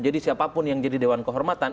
jadi siapapun yang jadi dewan kehormatan